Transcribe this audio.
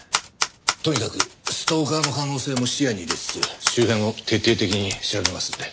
とにかくストーカーの可能性も視野に入れつつ周辺を徹底的に調べますので。